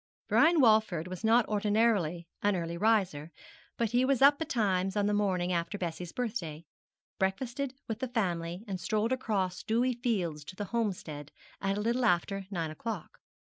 Brian Walford was not ordinarily an early riser, but he was up betimes on the morning after Bessie's birthday; breakfasted with the family, and strolled across dewy fields to the Homestead a little after nine o'clock.